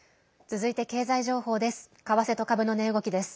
続いて経済情報です。